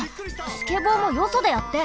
スケボーもよそでやって！